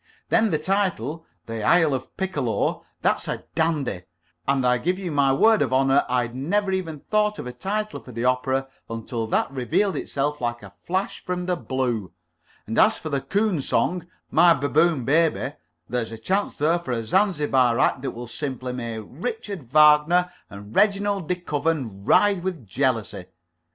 Then the title 'The Isle of Piccolo' that's a dandy, and I give you my word of honor, I'd never even thought of a title for the opera until that revealed itself like a flash from the blue; and as for the coon song, 'My Baboon Baby,' there's a chance there for a Zanzibar act that will simply make Richard Wagner and Reginald de Koven writhe with jealousy.